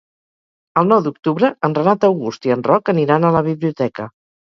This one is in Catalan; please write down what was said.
El nou d'octubre en Renat August i en Roc aniran a la biblioteca.